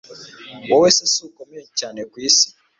wowe sis ukomeye cyane kwisi